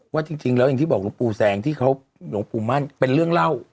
ว่าจริงแล้วอย่างที่บอกหลวงปู่แสงที่เขาหลวงปู่มั่นเป็นเรื่องเล่า